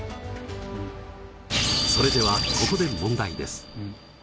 それではここで問題です。